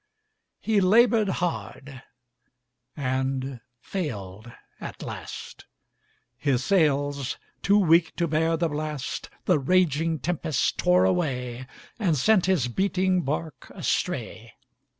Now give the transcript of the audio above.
He labored hard and failed at last, His sails too weak to bear the blast, The raging tempests tore away And sent his beating bark astray.